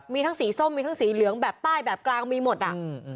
มีทั้งสีส้มมีทั้งสีเหลืองแบบใต้แบบกลางมีหมดอ่ะอืม